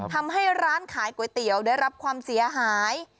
ทำให้ร้านขายก๋วยเตี๋ยวได้รับความเสียหาย